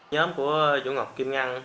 nhóm của chú ngọc kim ngăn